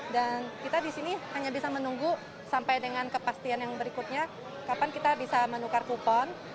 dan kita disini hanya bisa menunggu sampai dengan kepastian yang berikutnya kapan kita bisa menukar kupon